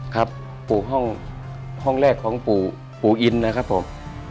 ครับปูห้องราวห้องแรกของปูอินนะครับผม